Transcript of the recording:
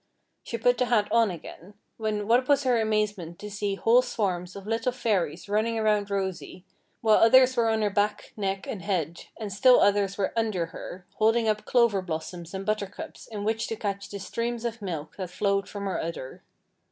She put the hat on again, when what was her amazement to see whole swarms of little Fairies running around Rosy, while others were on her back, neck, and head, and still others were under her, holding up clover blossoms and buttercups in which to catch the streams of milk that flowed from her udder.